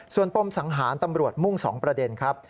ส่วนปมสังหารตำรวจมุ่ง๒ประเด็นครับ